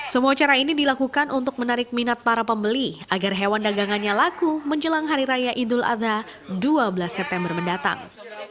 semua cara ini dilakukan untuk menarik minat para pembeli agar hewan dagangannya laku menjelang hari raya idul adha dua belas september mendatang